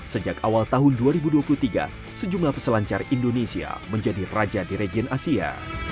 sejak awal tahun dua ribu dua puluh tiga sejumlah peselancar indonesia menjadi raja di region asia